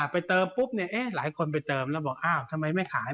ไปเติมปุ๊บเนี่ยหลายคนไปเติมแล้วบอกอ้าวทำไมไม่ขาย